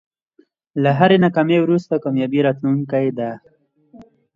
له هری ناکامۍ وروسته کامیابي راتلونکی ده.